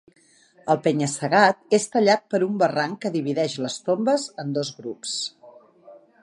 El penya-segat és tallat per un barranc que divideix les tombes en dos grups.